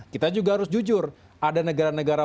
kita juga harus jujur ada negara negara